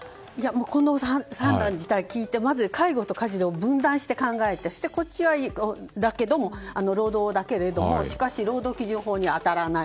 この判断自体を聞いて介護と家事を分断して考えてそして、こっちは労働だけれどもしかし労働基準法には当たらない。